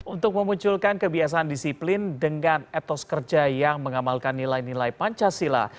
untuk memunculkan kebiasaan disiplin dengan etos kerja yang mengamalkan nilai nilai pancasila